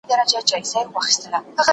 تاریخ د پوهي سرچینه ده.